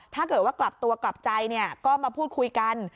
ถ้าเกิดว่ากลับตัวกลับใจก็มาพูดคุยกัน